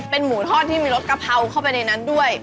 เป็นหมูทอดที่มีรสกะเพราเข้าไปในนั้นด้วย